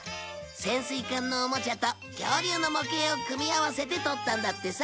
潜水艦のおもちゃと恐竜の模型を組み合わせて撮ったんだってさ。